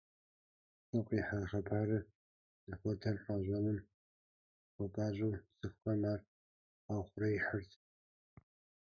ЛӀым къихьа хъыбарыр зыхуэдэр къащӀэным хуэпӀащӀэу цӀыхухэм ар къаухъуреихьырт.